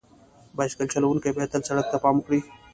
بایسکل چلونکي باید تل سړک ته پام وکړي.